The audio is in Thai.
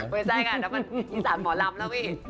ไม่ใช่ค่ะแล้วมันอีสานหมอลำแล้วพี่